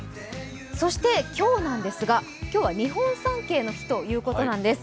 そして今日なんですが、今日は日本三景の日ということなんです。